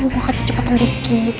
kamu mau kecepetan dikit